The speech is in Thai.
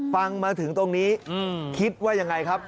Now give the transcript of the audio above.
ฟังมาถึงตรงนี้คิดว่ายังไงครับ